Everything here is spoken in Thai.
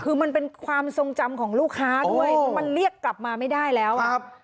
คือมันเป็นความทรงจำของลูกค้าด้วยมันเรียกกลับมาไม่ได้แล้วครับ